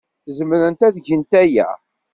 Zemrent ad gent aya.